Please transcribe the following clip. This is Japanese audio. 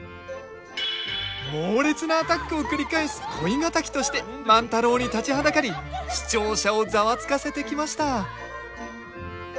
猛烈なアタックを繰り返す恋敵として万太郎に立ちはだかり視聴者をざわつかせてきました